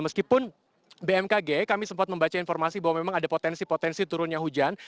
meskipun bmkg kami sempat membaca informasi bahwa memang ada potensi potensi turunnya hujan